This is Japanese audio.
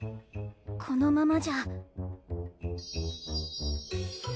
このままじゃ。